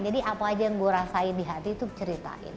jadi apa aja yang gue rasain di hati itu ceritain